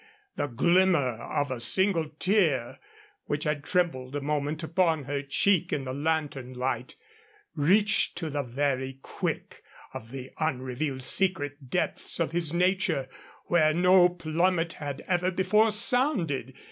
The glimmer of a single tear which had trembled a moment upon her cheek in the lantern light reached to the very quick of the unrevealed secret depths of his nature, where no plummet had ever before sounded.